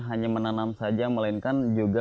hanya menanam saja melainkan juga